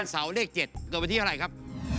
วันเสาร์เลข๗ต่อไปที่อะไรครับ